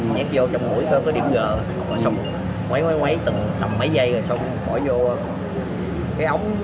nhét vô trong mũi có điểm gờ xong quấy quấy quấy từng mấy giây rồi xong bỏ vô cái ống